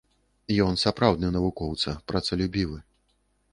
Ён сапраўдны навукоўца, працалюбівы.